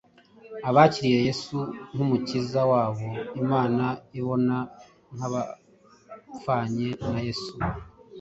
Abakiriye Yesu nk’umukiza wabo, Imana ibabona nk’abapfanye na Yesu